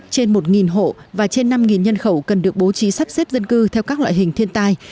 trên một hộ và trên năm nhân khẩu cần được bố trí sắp xếp dân cư theo các loại hình thiên tai